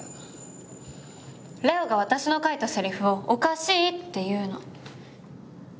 礼央が私の書いたせりふをおかしいって言うの。